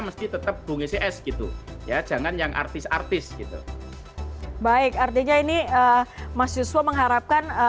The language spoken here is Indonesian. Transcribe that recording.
mesti tetap bongge cs gitu ya jangan yang artis artis baik artinya ini mas yuswo mengharapkan